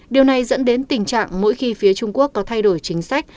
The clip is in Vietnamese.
điều này dẫn đến tình trạng mỗi khi phía trung quốc có thay đổi chính sách